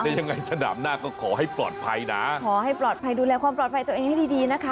ยังไงสนามหน้าก็ขอให้ปลอดภัยนะขอให้ปลอดภัยดูแลความปลอดภัยตัวเองให้ดีดีนะคะ